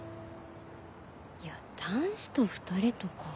いや男子と２人とか。